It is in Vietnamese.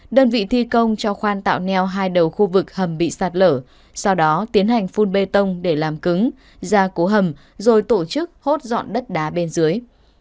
đơn vị thi công cho khoan tạo neo hai đầu khu vực hầm bị sạt lở sau đó tiến hành phun bê tông để làm cứng ra cố hầm rồi tổ chức hốt dọn đất đá bên dưới